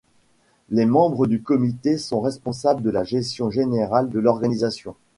Les membres du comité sont responsables de la gestion générale de l'organisation.